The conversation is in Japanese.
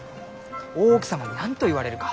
大奥様に何と言われるか。